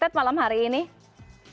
dan sampai jumpa di tayangan